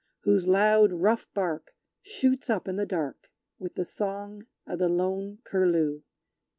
Whose loud, rough bark Shoots up in the dark, With the song of the lone Curlew!